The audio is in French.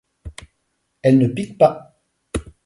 Elle ne pique pas.